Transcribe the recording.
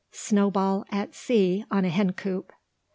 SNOWBALL AT SEA ON A HENCOOP.